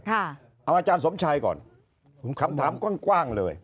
เอาอาจารย์สมชัยก่อนคำถามกว้างเลย